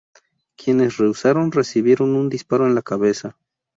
Quienes rehusaron, recibieron un disparo en la cabeza.